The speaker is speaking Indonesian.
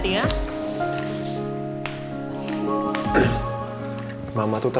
hambar ularu deh